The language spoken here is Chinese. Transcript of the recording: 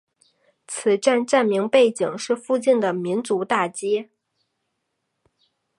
此站站名背景是附近的民族大街。